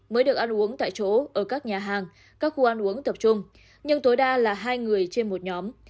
mới được ăn uống tại chỗ ở các nhà hàng các khu ăn uống tập trung nhưng tối đa là hai người trên một nhóm